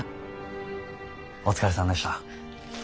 お疲れさんでした。